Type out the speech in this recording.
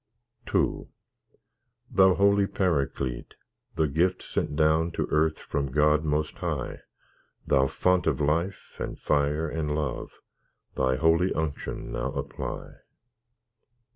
II Thou Holy Paraclete! the Gift Sent down to earth from God Most High, Thou Font of Life and fire and love, Thy holy unction now apply.